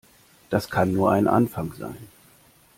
Das kann nur ein Anfang sein.